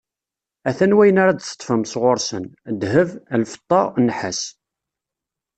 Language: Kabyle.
A-t-an wayen ara d-teṭṭfem sɣur-sen: ddheb, lfeṭṭa, nnḥas